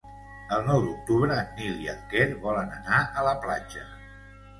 El nou d'octubre en Nil i en Quer volen anar a la platja.